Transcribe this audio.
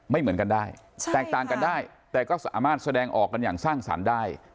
ไม่เหมือนกันได้แตกต่างกันได้แต่ก็สามารถแสดงออกกันอย่างสร้างสรรค์ได้